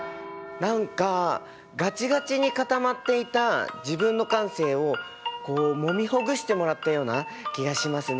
何かガチガチに固まっていた自分の感性をこうもみほぐしてもらったような気がしますね。